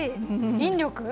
引力？